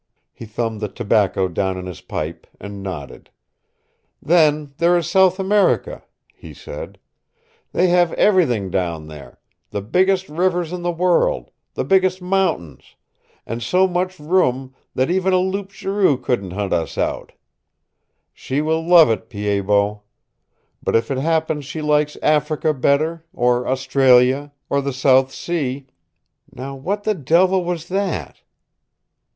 He thumbed the tobacco down in his pine, and nodded. "Then there is South America," he said. "They have everything down there the biggest rivers in the world, the biggest mountains, and so much room that even a Loup Garou couldn't hunt us out. She will love it, Pied Bot. But if it happens she likes Africa better, or Australia, or the South Sea Now, what the devil was that?"